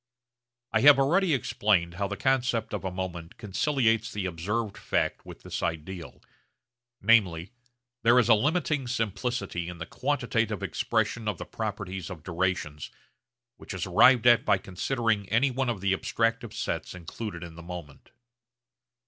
I have already explained how the concept of a moment conciliates the observed fact with this ideal; namely, there is a limiting simplicity in the quantitative expression of the properties of durations, which is arrived at by considering any one of the abstractive sets included in the moment.